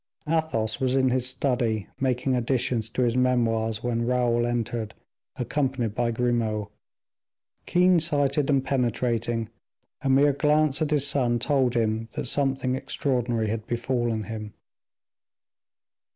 Athos was in his study, making additions to his memoirs, when Raoul entered, accompanied by Grimaud. Keen sighted and penetrating, a mere glance at his son told him that something extraordinary had befallen him.